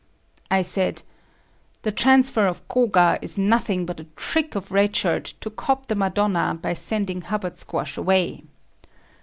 I said; "The transfer of Koga is nothing but a trick of Red Shirt to cop the Madonna by sending Hubbard Squash away."